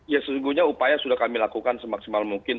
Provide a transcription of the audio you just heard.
ya sesungguhnya upaya sudah kami lakukan semaksimal mungkin